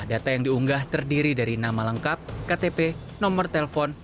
data yang diunggah terdiri dari nama lengkap ktp nomor telepon